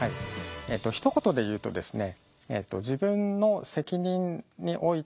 ひと言で言うとですね